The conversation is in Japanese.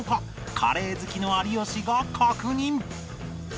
カレー好きの有吉が確認